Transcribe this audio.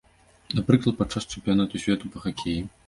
Напрыклад, падчас чэмпіянату свету па хакеі?